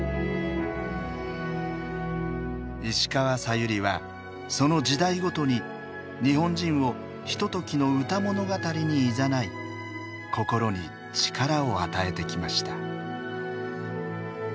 石川さゆりはその時代ごとに日本人をひとときの歌物語にいざない心に力を与えてきました。